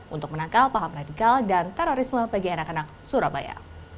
untuk menangkal paham radikal dan terorisme bagi anak anak surabaya